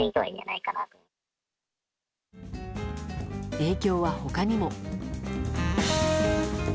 影響は他にも。